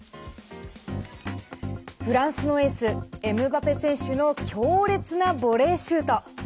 フランスのエースエムバペ選手の強烈なボレーシュート。